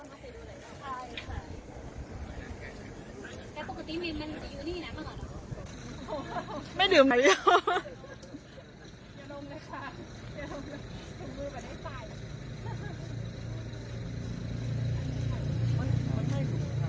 แกปกติมีมันจะอยู่นี่น้ำหรอไม่ดื่มใส่เยอะอย่าดมนะคะ